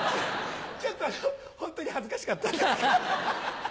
ちょっとホントに恥ずかしかったんですけど。